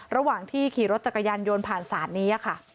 ระหว่างที่ขี่รถจักรยานยนต์ผ่านศาลนี้ค่ะ